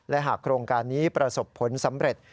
และหากโครงการนี้ประสบผลสำเร็จ